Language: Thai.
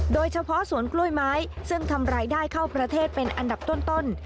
โดยเฉพาะสวนกล้วยไม้ซึ่งทำรายได้เข้าประเทศเป็นอันดับต้น